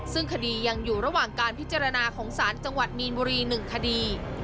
ซึ่งคดียังอยู่ระหว่างการพิจารณาของศาลจังหวัดมีนบุรี๑คดี